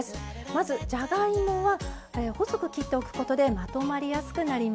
まずじゃがいもは細く切っておくことでまとまりやすくなりました。